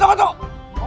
tunggu tunggu tunggu